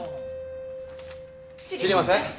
知りません。